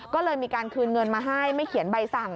ก็เลยมีการคืนเงินมาให้ไม่เขียนใบสั่ง